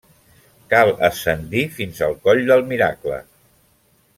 Cal ascendir fins al Coll del Miracle.